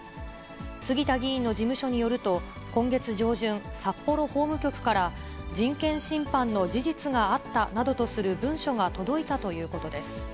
杉田議員の事務所によると、今月上旬、札幌法務局から人権侵犯の事実があったなどとする文書が届いたということです。